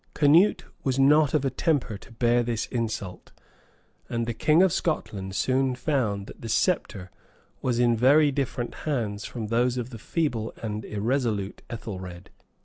Canute was not of a temper to bear this insult; and the king of Scotland soon found, that the sceptre was in very different hands from those of the feeble and irresolute Ethelred.